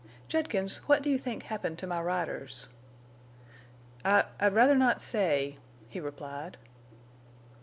"Judkins, what do you think happened to my riders?" "I—I d rather not say," he replied.